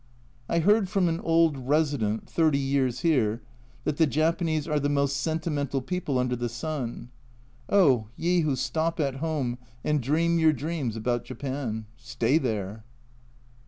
I heard from an old resident (thirty years here) that the Japanese are the most sentimental people under the sun. Oh, ye who stop at home and dream your dreams about Japan ! Stay there.